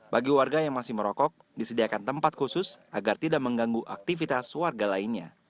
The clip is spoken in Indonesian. bagi warga yang masih merokok disediakan tempat khusus agar tidak mengganggu aktivitas warga lainnya